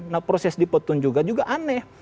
nah proses di petun juga juga aneh